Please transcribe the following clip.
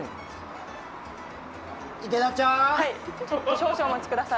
少々お待ちください。